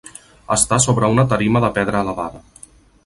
Està sobre una tarima de pedra elevada.